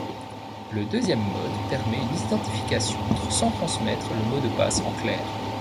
Le deuxième mode permet une identification sans transmettre le mot de passe en clair.